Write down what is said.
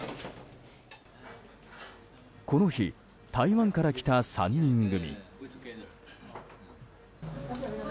この日、台湾から来た３人組。